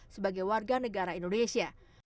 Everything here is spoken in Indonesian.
sebagai warga negara indonesia